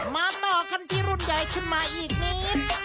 มาต่อกันที่รุ่นใหญ่ขึ้นมาอีกนิด